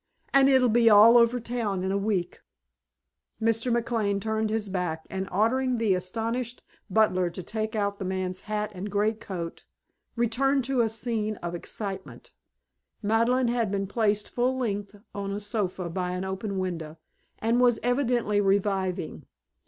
And it'll be all over town in a week." Mr. McLane turned his back, and ordering the astonished butler to take out the man's hat and greatcoat, returned to a scene of excitement. Madeleine had been placed full length on a sofa by an open window, and was evidently reviving.